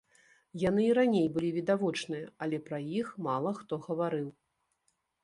Яны і раней былі відавочныя, але пра іх мала хто гаварыў.